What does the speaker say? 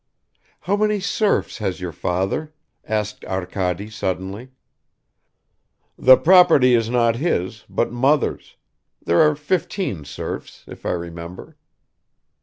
"How many serfs has your father?" asked Arkady suddenly. "The property is not his, but mother's; there are fifteen serfs, if I remember."